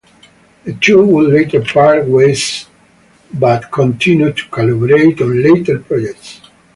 The two would later part ways but continued to collaborate on later projects.